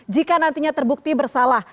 jika nantinya terbukti bersalah